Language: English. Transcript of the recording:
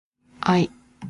I.